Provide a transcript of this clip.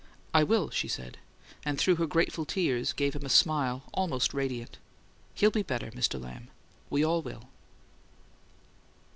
"I will," she said, and through her grateful tears gave him a smile almost radiant. "He'll be better, Mr. Lamb. We all will."